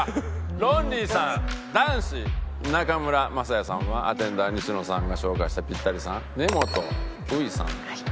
ロンリーさん男子中村昌也さんはアテンダー西野さんが紹介したピッタリさん根本羽衣さん